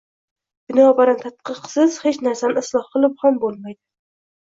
Binobarin tadqiqsiz hech narsani isloh qilib ham bo‘lmaydi.